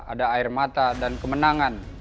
ada air mata dan kemenangan